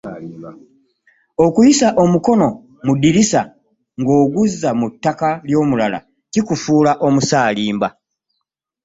Okuyisa omukono mu ddirisa ng’oguzza mu ttaka ly’omulala kikufuula omusaalimba.